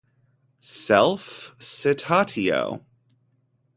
Self Citatio